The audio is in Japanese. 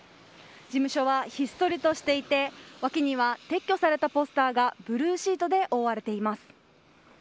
事務所は、ひっそりとしていて脇には、撤去されたポスターがブルーシートで覆われています。